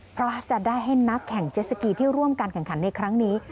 เพราะจะได้ให้นักแข่งเจสสกีที่ร่วมการแข่งขันในครั้งนี้